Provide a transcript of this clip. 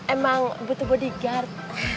emang butuh bodyguard